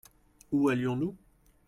Où allions-nous ?